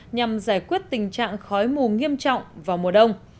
nhằm giải quyết tình trạng khói mù nghiêm trọng vào mùa đông